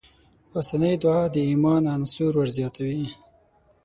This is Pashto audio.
پاسنۍ دعا د ايمان عنصر ورزياتوي.